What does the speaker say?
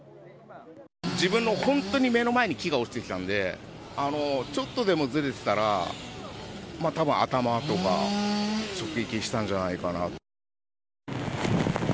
自分の本当に目の前に木が落ちてきたのでちょっとでもずれてたら多分、頭とか直撃したんじゃないかな。